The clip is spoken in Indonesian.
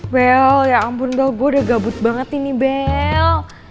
bel ya ampundo gue udah gabut banget ini bel